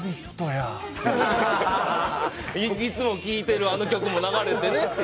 いつも聴いている、あの曲も流れてね。